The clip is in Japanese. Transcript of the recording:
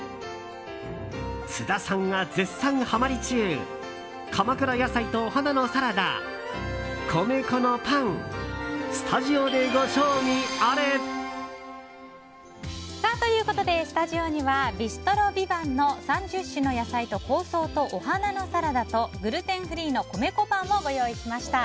津田さんが絶賛はまり中鎌倉野菜とお花のサラダ米粉のパンスタジオでご賞味あれ！ということで、スタジオにはビストロヴィヴァンの３０種の野菜と香草とお花のサラダとグルテンフリーの米粉パンをご用意しました。